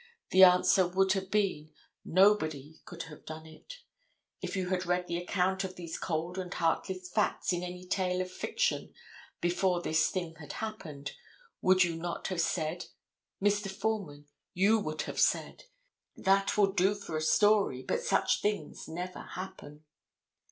The answer would have been, nobody could have done it. If you had read the account of these cold and heartless facts in any tale of fiction before this thing had happened, would you not have said, Mr. Foreman—you would have said, That will do for a story, but such things never happen.